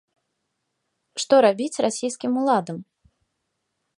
Што рабіць расійскім уладам?